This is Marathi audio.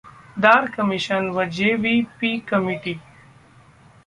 दार कमिशन व जे. वी. P committee